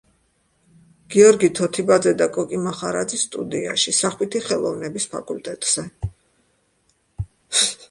გიორგი თოთიბაძე და კოკი მახარაძის სტუდიაში, სახვითი ხელოვნების ფაკულტეტზე.